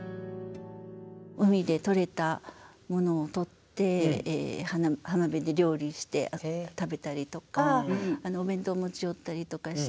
海でとれたものをとって浜辺で料理して食べたりとかお弁当を持ち寄ったりとかして。